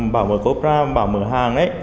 bảo mở cốp ra bảo mở hàng